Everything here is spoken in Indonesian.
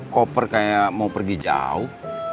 koper kayak mau pergi jauh